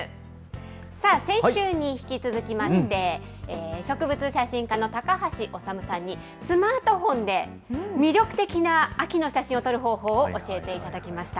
さあ、先週に引き続きまして、植物写真家の高橋修さんにスマートフォンで魅力的な秋の写真を撮る方法を教えていただきました。